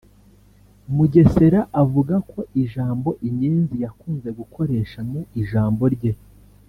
Mugesera avuga ko ijambo inyenzi yakunze gukoresha mu ijambo rye